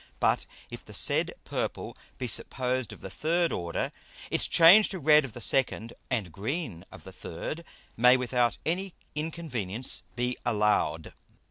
But if the said Purple be supposed of the third Order, its Change to red of the second, and green of the third, may without any Inconvenience be allow'd.